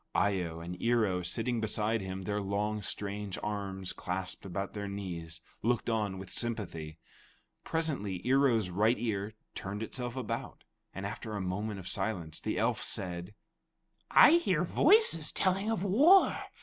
Eye o and Ear o sitting beside him, their long, strange arms clasped about their knees, looked on with sympathy. Presently Ear o's right ear turned itself about, and after a moment's silence, the elf said: "I hear voices telling of war.